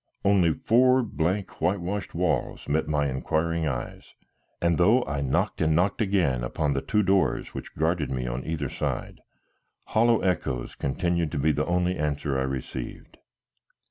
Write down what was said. Only four blank, whitewashed walls met my inquiring eyes, and though I knocked and knocked again upon the two doors which guarded me on either side, hollow echoes continued to be the only answer I received.